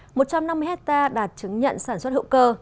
một trăm năm mươi hectare đạt chứng nhận sản xuất hữu cơ